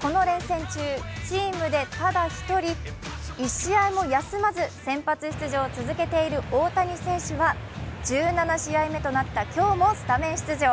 この連戦中、チームでただ１人、１試合も休まず先発出場を続けている大谷選手は１７試合目となった今日もスタメン出場。